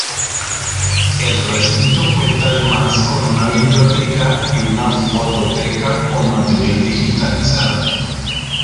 El recinto cuenta además con una biblioteca y una fototeca con material digitalizado.